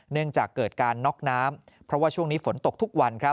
เนื่องจากเกิดการน็อกน้ำเพราะว่าช่วงนี้ฝนตกทุกวัน